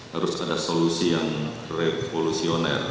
harus ada solusi yang revolusioner